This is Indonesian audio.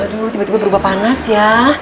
aduh tiba tiba berubah panas ya